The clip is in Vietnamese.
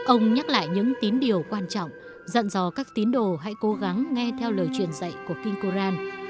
ông nhắc lại những tín điều quan trọng dặn dò các tín đồ hãy cố gắng nghe theo lời truyền dạy của kinh koran